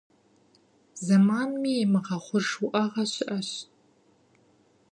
Зэманми имыгъэхъуж уӏэгъэ щыӏэщ.